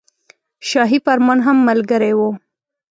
شاهي فرمان هم ملګری وو.